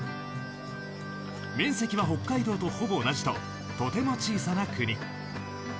面積は北海道とほぼ同じととても小さな国。